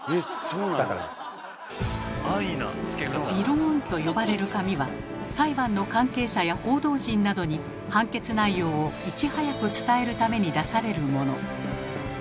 「びろーん」と呼ばれる紙は裁判の関係者や報道陣などに判決内容をいち早く伝えるために出されるもの。